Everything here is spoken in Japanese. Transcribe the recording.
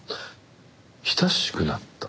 親しくなった。